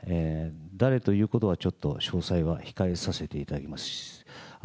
誰ということはちょっと詳細は控えさせていただきます。